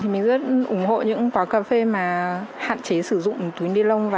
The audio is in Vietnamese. mình rất ủng hộ những quán cà phê mà hạn chế sử dụng túi nilong